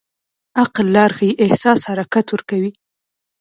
عقل لار ښيي، احساس حرکت ورکوي.